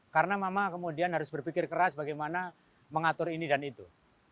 karena mama kemudian harus berpikir keras bagaimana mengatur ini dan itu